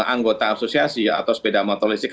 anggota asosiasi atau sepeda motor listrik